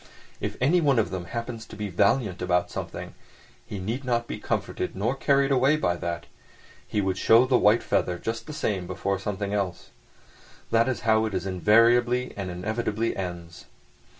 If anyone of them happens to be valiant about something, he need not be comforted nor carried away by that; he would show the white feather just the same before something else. That is how it invariably and inevitably ends.